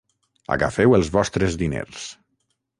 Agafeu els vostres diners.